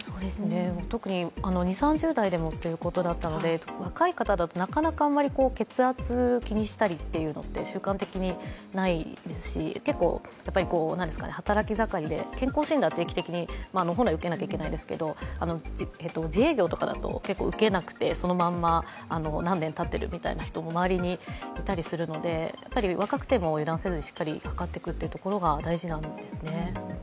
特に２０３０代でもということだったので若い方だとなかなか血圧を気にしたりというのは習慣的にないですし、働き盛りで健康診断を定期的に本来、受けなければいけないですけど自営業だと結構受けなくてそのまま何年たってるみたいな人も周りにいたりするので若くても油断せずしっかり測っていくのが大事なんですね。